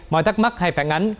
mọi thắc mắc hay phản ánh